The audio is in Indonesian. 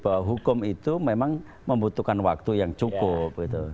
bahwa hukum itu memang membutuhkan waktu yang cukup